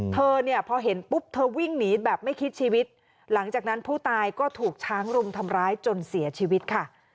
เธอเนี่ยพอเห็นปุ๊บเธอวิ่งหนีแบบไม่คิดชีวิตหลังจากนั้นผู้ตายก็ถูกช้างรุมทำร้ายจนเสียชีวิตค่ะ